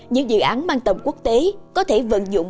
những dự án mang tầm quốc tế có thể vận dụng